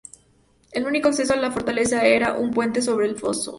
El único acceso a la fortaleza era por un puente sobre el foso.